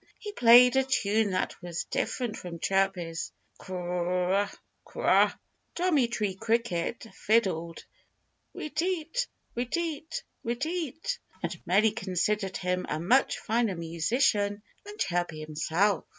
He played a tune that was different from Chirpy's cr r r i! cr r r i! cr r r i! Tommy Tree Cricket fiddled re teat! re teat! re teat! And many considered him a much finer musician than Chirpy himself.